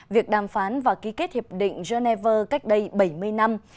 việc đàm phán và ký kết hiệp định geneva cách đây bảy mươi năm